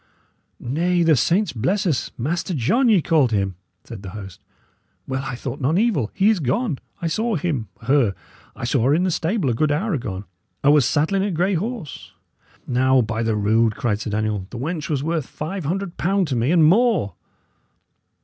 "Nay, the saints bless us! Master John, ye called him," said the host. "Well, I thought none evil. He is gone. I saw him her I saw her in the stable a good hour agone; 'a was saddling a grey horse." "Now, by the rood!" cried Sir Daniel, "the wench was worth five hundred pound to me and more."